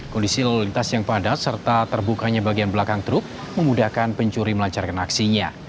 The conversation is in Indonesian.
kondisi lalu lintas yang padat serta terbukanya bagian belakang truk memudahkan pencuri melancarkan aksinya